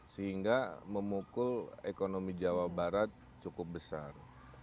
sehingga memukul ekonomi jawa barat cukup besar